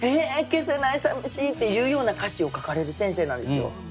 消せないさみしい！」っていうような歌詞を書かれる先生なんですよ。